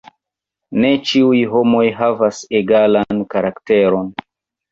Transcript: Ne ĉiuj homoj havas egalan karakteron!